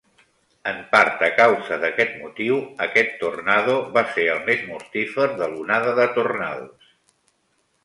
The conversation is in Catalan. En part a causa d'aquest motiu, aquest tornado va ser el més mortífer de l'onada de tornados.